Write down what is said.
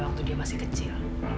waktu dia masih kecil